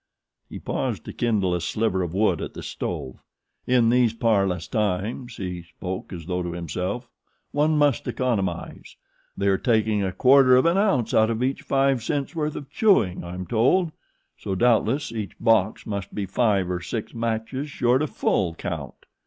He paused to kindle a sliver of wood at the stove. "In these parlous times," he spoke as though to himself, "one must economize. They are taking a quarter of an ounce out of each five cents worth of chewing, I am told; so doubtless each box must be five or six matches short of full count.